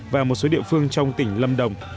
và một số địa phương trong tỉnh lâm đồng